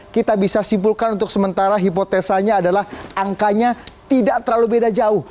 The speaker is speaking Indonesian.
kita bisa simpulkan untuk sementara hipotesanya adalah angkanya tidak terlalu beda jauh